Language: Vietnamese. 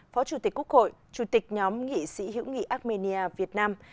phó chủ tịch quốc hội chủ tịch nhóm nghị sĩ hữu nghị armenia việt nam